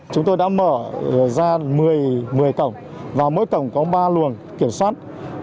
chúng tôi đã mở ra một mươi cổng và mỗi cổng có ba luồng kiểm soát